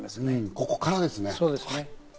ここからですね。